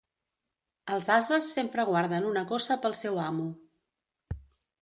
Els ases sempre guarden una coça pel seu amo.